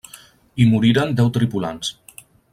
Hi moriren deu tripulants.